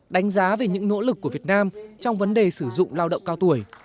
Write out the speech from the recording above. đánh giá về những nỗ lực của việt nam trong vấn đề sử dụng lao động cao tuổi